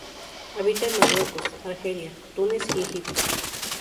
Habita en Marruecos, Argelia, Túnez y Egipto.